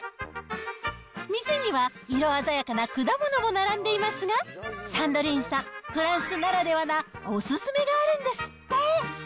店には、色鮮やかな果物も並んでいますが、サンドリーンさん、フランスならではなお勧めがあるんですって。